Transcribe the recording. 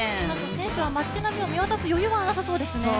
選手は街並みを見渡す余裕はなさそうですね。